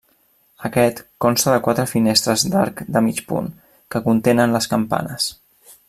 Aquest consta de quatre finestres d'arc de mig punt que contenen les campanes.